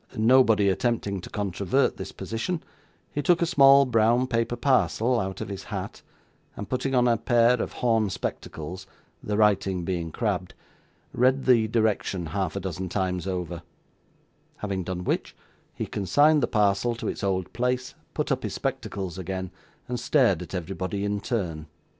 Nobody attempting to controvert this position, he took a small brown paper parcel out of his hat, and putting on a pair of horn spectacles (the writing being crabbed) read the direction half a dozen times over; having done which, he consigned the parcel to its old place, put up his spectacles again, and stared at everybody in turn.